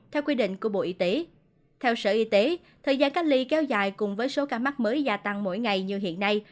theo quy định của bộ y tế thời gian cách ly kéo dài cùng với số ca mắc mới gia tăng mỗi ngày như hiện nay